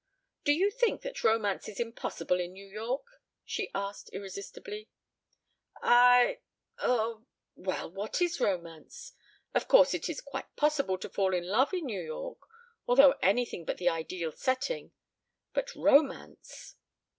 "Do you think that romance is impossible in New York?" she asked irresistibly. "I oh well, what is romance? Of course, it is quite possible to fall in love in New York although anything but the ideal setting. But romance!"